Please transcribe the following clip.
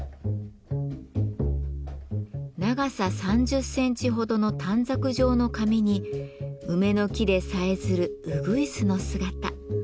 長さ３０センチほどの短冊状の紙に梅の木でさえずるうぐいすの姿。